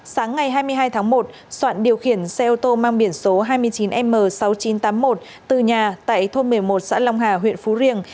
sáng ngày hai mươi hai tháng một soạn điều khiển xe ô tô mang biển số hai mươi chín m sáu nghìn chín trăm tám mươi một từ nhà tại thôn một mươi một xã long hà huyện phú riềng